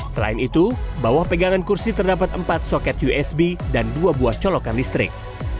selain itu bawah pegangan kursi terdapat empat soket usb dan dua buah colokan listrik